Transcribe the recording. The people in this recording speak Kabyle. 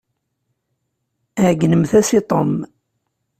Ɛeyynemt-as i Tom.